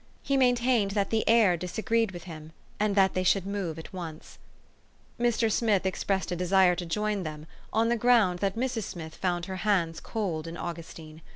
He maintained that the air disagreed with him, and that they should move at once. Mr. Smith expressed a desire to join them, on the ground that Mrs. Smith found her hands cold in Augustine.